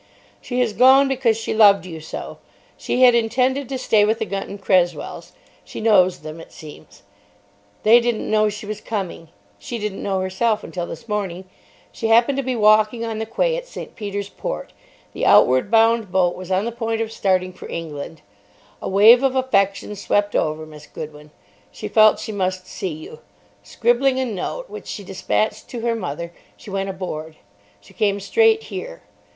"She has gone because she loved you so. She had intended to stay with the Gunton Cresswells. She knows them, it seems. They didn't know she was coming. She didn't know herself until this morning. She happened to be walking on the quay at St. Peter's Port. The outward bound boat was on the point of starting for England. A wave of affection swept over Miss Goodwin. She felt she must see you. Scribbling a note, which she despatched to her mother, she went aboard. She came straight here.